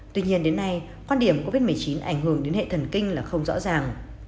tuy nhiên đến nay quan điểm covid một mươi chín ảnh hưởng đến hệ thần kinh là không rõ ràng